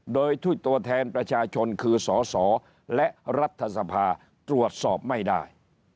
โดยที่ตัวแทนประชาชนคือสสและรัฐสภาตรวจสอบไม่ได้